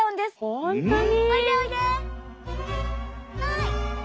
本当に？